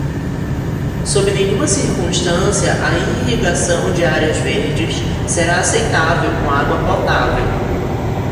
Sob nenhuma circunstância a irrigação de áreas verdes será aceitável com água potável.